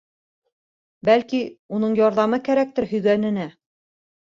Бәлки, уның ярҙамы кәрәктер һөйгәненә.